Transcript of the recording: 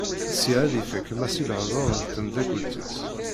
Sya ad ifak Massi lehdur d temddakelt-is.